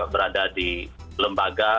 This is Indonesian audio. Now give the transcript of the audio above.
berada di lembaga